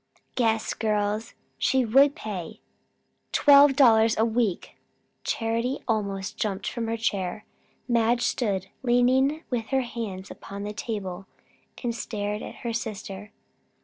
"Guess, girls! She would pay twelve dollars a week." Charity almost jumped from her chair. Madge stood leaning with her hands upon the table and stared at her sister.